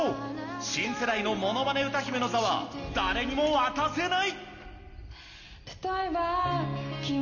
新世代のものまね歌姫の座は誰にも渡せない！